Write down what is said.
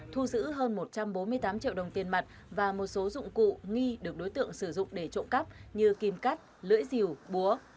thu giữ hơn một trăm bốn mươi tám triệu đồng tiền mặt và một số dụng cụ nghi được đối tượng sử dụng để trộm cắp như kim cắt lưỡi dìu búa